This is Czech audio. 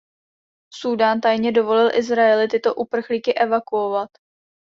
Súdán tajně dovolil Izraeli tyto uprchlíky evakuovat.